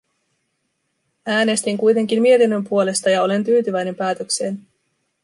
Äänestin kuitenkin mietinnön puolesta, ja olen tyytyväinen päätökseeni.